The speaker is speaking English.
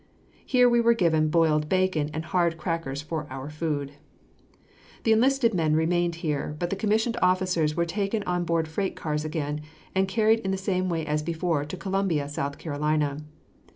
Here we were given boiled bacon and hard crackers for our food. The enlisted men remained here, but the commissioned officers were taken on board freight cars again, and carried in the same way as before to Columbia, South Carolina.